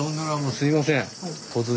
すいません突然。